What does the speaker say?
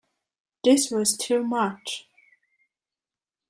This was too much.